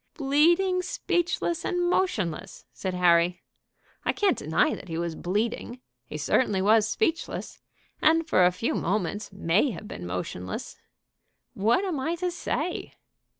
"'Bleeding, speechless, and motionless!'" said Harry. "I can't deny that he was bleeding; he certainly was speechless, and for a few moments may have been motionless. What am I to say?"